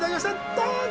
どうぞ！